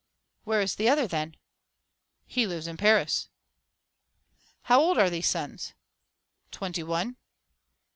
"Where is the other, then?" "He lives in Paris." "How old are these sons?" "Twenty one."